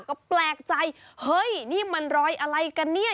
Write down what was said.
ก็แปลกใจเฮ้ยนี่มันรอยอะไรกันเนี่ย